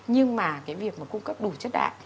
nhưng mà việc cung cấp đủ chất đạo